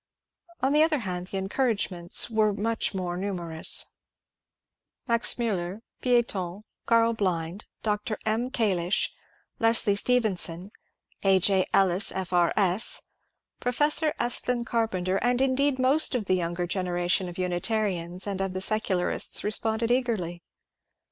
On the other hand, the encourage ments were much more numerous. Max Muller, Picton, Karl PROFESSOR CLIFFORD'S NOTES 389 BKnd, Dr. M. Kaliscli, LesUe Stephen, A. J. ElKs F. R. S., Professor Estlin Carpenter, and indeed most of the younger generation of Unitarians and of the Secularists responded eagerly.